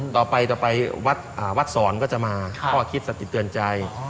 ต่อไปวัดสรก็จะมาข้อคิดสติดเตือนใจ